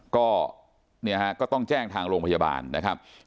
ก็เนี่ยฮะก็ต้องแจ้งทางโรงพยาบาลนะครับ